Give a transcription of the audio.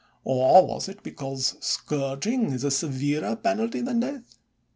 Or was it because scourging is a severer penalty than death